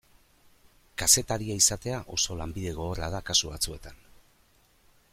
Kazetaria izatea oso lanbide gogorra da kasu batzuetan.